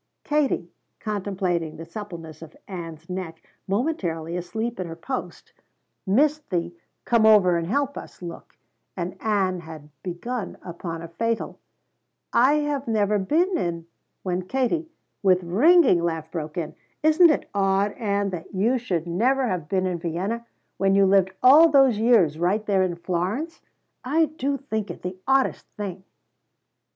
Katie, contemplating the suppleness of Ann's neck, momentarily asleep at her post, missed the "Come over and help us" look, and Ann had begun upon a fatal, "I have never been in " when Katie, with ringing laugh broke in: "Isn't it odd, Ann, that you should never have been in Vienna, when you lived all those years right there in Florence? I do think it the oddest thing!"